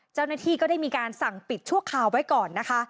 เจ้าหน้าที่ก็ได้มีการสั่งปิดชั่วคราวไว้ก่อนนะคะ